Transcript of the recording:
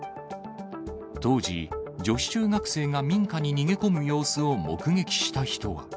当時、女子中学生が民家に逃げ込む様子を目撃した人は。